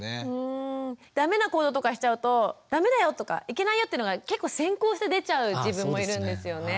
ダメな行動とかしちゃうとダメだよとかいけないよっていうのが結構先行して出ちゃう自分もいるんですよね。